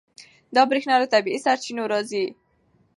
دا برېښنا له طبیعي سرچینو راځي.